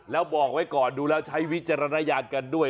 แล้วบอกไว้ก่อนดูแล้วใช้วิจารณญาณกันด้วย